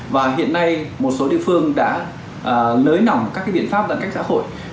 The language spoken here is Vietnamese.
và hiện nay một số địa phương đã lới nỏng các biện pháp giãn cách xã hội